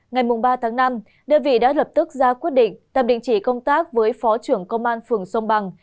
ngày ba tháng năm đơn vị đã lập tức ra quyết định tạm đình chỉ công tác với phó trưởng công an phường sông bằng